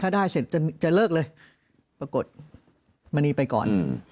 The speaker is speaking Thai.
ถ้าได้เสร็จจะเลิกเลยปรากฏมณีไปก่อน